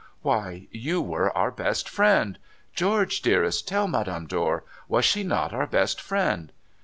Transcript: ' Why, you were our best friend ! George, dearest, tell Madame Dor. Was she not our best friend